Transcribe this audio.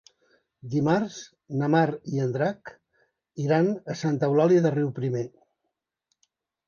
Dimarts na Mar i en Drac iran a Santa Eulàlia de Riuprimer.